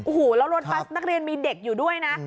โอ้โหแล้วรถบัสนักเรียนมีเด็กอยู่ด้วยนะ